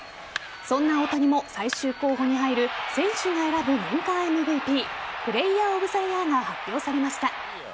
そんな大谷も最終候補に入る選手が選ぶ年間ＭＶＰプレーヤー・オブ・ザ・イヤーが発表されました。